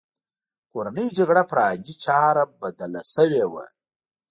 کورنۍ جګړه پر عادي چاره بدله شوې وه